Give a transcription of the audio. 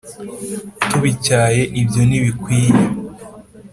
tubicyahe ibyo ntibikwiye.